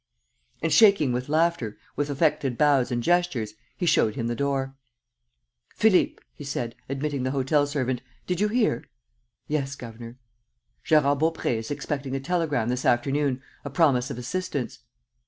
And, shaking with laughter, with affected bows and gestures, he showed him the door. "Philippe," he said, admitting the hotel servant, "did you hear?" "Yes, governor." "Gérard Baupré is expecting a telegram this afternoon, a promise of assistance.